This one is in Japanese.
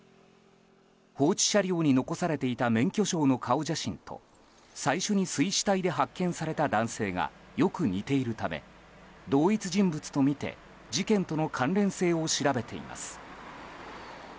放置車両に残されていた免許証の顔写真と最初に水死体で発見された男性がよく似ているため同一人物とみて事件との関連性を調べています。